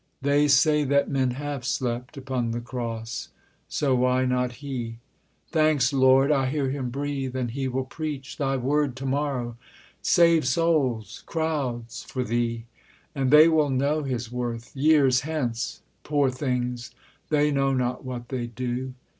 They say that men have slept upon the cross; So why not he? ... Thanks, Lord! I hear him breathe: And he will preach Thy word to morrow! save Souls, crowds, for Thee! And they will know his worth Years hence poor things, they know not what they do!